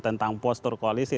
tentang postur koalisi